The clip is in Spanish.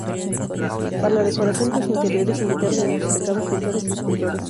Para la decoración de los interiores invitaron a los destacados pintores y escultores.